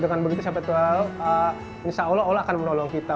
dengan begitu sampai tua insya allah allah akan menolong kita